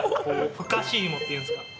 ふかし芋っていうんですか。